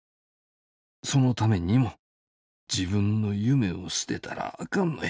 そのためにも自分の夢を捨てたらあかんのや。